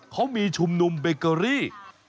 เขามีชุมนุมเบเกอรี่